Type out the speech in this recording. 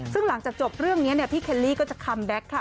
ซึ่งหลังจากจบเรื่องนี้พี่เคลลี่ก็จะคัมแบ็คค่ะ